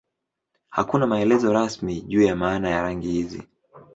Hakuna maelezo rasmi juu ya maana ya rangi hizi.